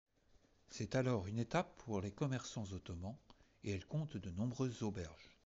C'est alors une étape pour les commerçants ottomans et elle compte de nombreuses auberges.